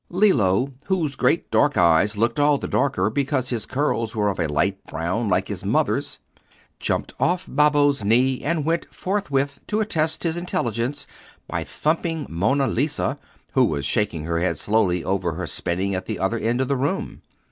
Lillo, whose great dark eyes looked all the darker because his curls were of a light brown like his mother's, jumped off Babbo's knee, and went forthwith to attest his intelligence by thumping Monna Lisa, who was shaking her head slowly over her spinning at the other end of the room.